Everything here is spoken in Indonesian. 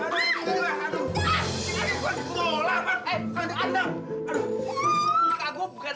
muka gua bukan